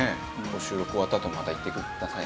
収録終わったあともまた行ってくださいね。